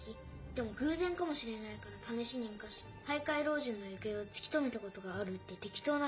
でも偶然かもしれないから試しに昔徘徊老人の行方を突き止めたことがあるって適当な話をしたらまた右上を見た。